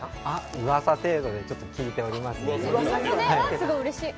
うわさ程度で聞いてますね。